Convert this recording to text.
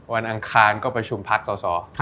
อังคารก็ประชุมพักสอสอ